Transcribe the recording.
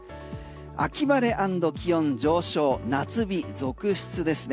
秋晴れアンド気温上昇夏日続出ですね。